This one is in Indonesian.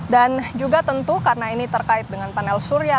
dan juga tentu karena ini terkait dengan panel surya